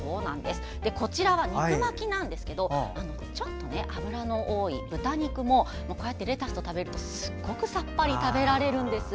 こちらは肉巻きなんですがちょっと脂の多い豚肉もこうやってレタスと食べるとすごくさっぱり食べられるんです。